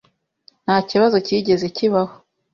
Nta kibazo cyigeze kibaho.